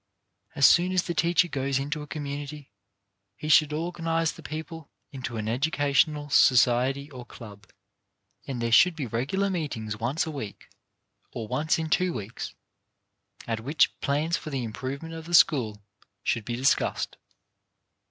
As soon as the teacher goes into a community, he should organize the people into an educational society or club, and there should be regular meet ings once a week, or once in two weeks, at which plans for the improvement of the school should be discussed.